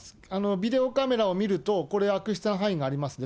ビデオカメラを見ると、これは悪質な範囲がありますね。